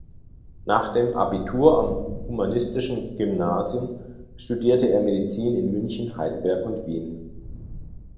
Nach dem Abitur am humanistischen Gymnasium studierte er Medizin in München, Heidelberg und Wien.